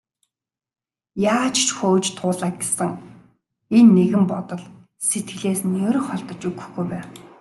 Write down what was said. Яаж ч хөөж туулаа гэсэн энэ нэгэн бодол сэтгэлээс нь ер холдож өгөхгүй байв.